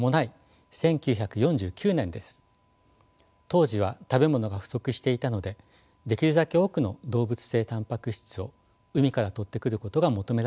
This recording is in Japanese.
当時は食べ物が不足していたのでできるだけ多くの動物性タンパク質を海からとってくることが求められました。